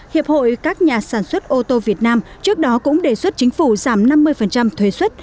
hiệp hội các nhà sản xuất ô tô việt nam trước đó cũng đề xuất chính phủ giảm năm mươi thuế xuất